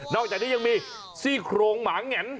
อกจากนี้ยังมีซี่โครงหมาแง่น